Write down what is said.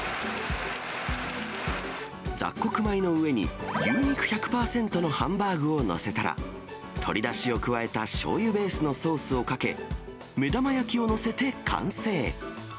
雑穀米の上に牛肉１００％のハンバーグを載せたら、鶏だしを加えたしょうゆベースのソースをかけ、目玉焼きを載せて完成。